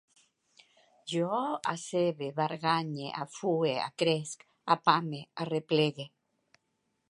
Jo aceve, barganye, afue, acresc, apame, arreplegue